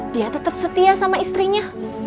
dia tetap setia sama istrinya